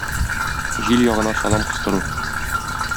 Җил ягына салам кыстыру.